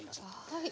はい。